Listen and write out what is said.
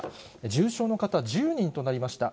重症の方１０人となりました。